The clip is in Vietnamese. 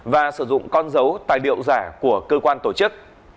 và sử dụng con dấu tài liệu giả của cơ quan tổ chức